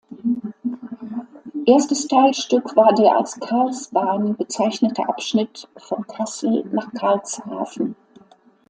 Erstes Teilstück war der als Carlsbahn bezeichnete Abschnitt von Kassel nach Karlshafen.